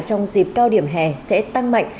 trong dịp cao điểm hè sẽ tăng mạnh